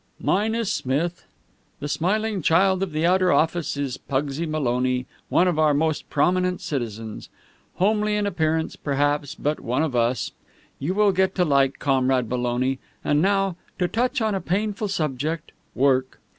"Mine is Smith. The smiling child in the outer office is Pugsy Maloney, one of our most prominent citizens. Homely in appearance, perhaps, but one of us. You will get to like Comrade Maloney. And now, to touch on a painful subject work.